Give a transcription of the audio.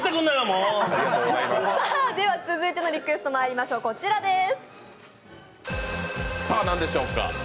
続いてのリクエストまいりましょう、こちらです。